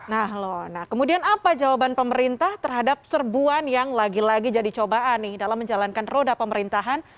nah loh nah kemudian apa jawaban pemerintah terhadap serbuan yang lagi lagi jadi cobaan nih dalam menjalankan roda pemerintahan